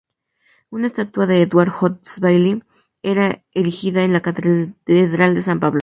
Una estatua de Edward Hodges Baily fue erigida en la Catedral de San Pablo.